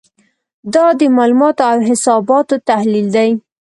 دا د معلوماتو او حساباتو تحلیل دی.